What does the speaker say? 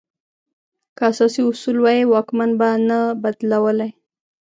که اساسي اصول وای، واکمن به نه بدلولای.